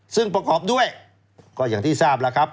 ซึ่งประกอบด้วยก็อย่างที่ทราบแล้วครับ